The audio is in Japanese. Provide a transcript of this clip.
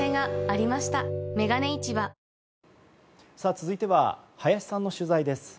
続いては林さんの取材です。